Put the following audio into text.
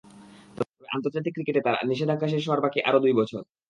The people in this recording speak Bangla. তবে আন্তর্জাতিক ক্রিকেটে তাঁর নিষেধাজ্ঞা শেষ হওয়ার বাকি আরও দুই বছর।